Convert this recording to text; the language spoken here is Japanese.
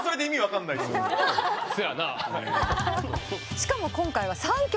しかも今回は３曲。